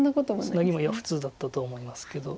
ツナギもいや普通だったとは思いますけど。